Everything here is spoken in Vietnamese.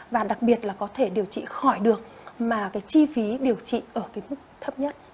và đặc biệt là có thể điều trị khỏi được mà chi phí điều trị ở mức thấp nhất